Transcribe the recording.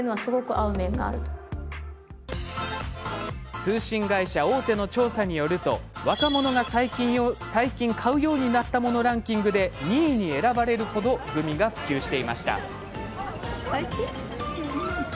通信会社大手の調査によると若者が最近買うようになったものランキングで２位に選ばれる程グミが普及していました。